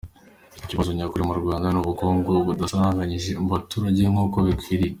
Ikibazo nyakuri mu Rwanda, ni ubukungu budasaranganyije mu baturage nk’uko bikwiriye.